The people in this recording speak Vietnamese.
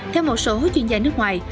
theo một số chuyên gia nước ngoài